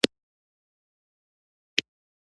دا د صفوي پاچا شاه حسين حکم دی.